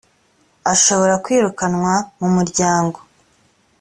ashobora kwirukanwa mu muryango